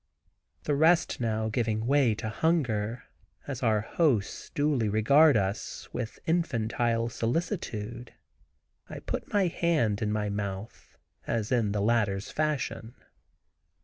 The rest now giving way to hunger, as our hosts duly regard us with infantile solicitude, I put my hand in my mouth, as in the latter's fashion.